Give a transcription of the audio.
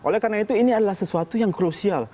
oleh karena itu ini adalah sesuatu yang krusial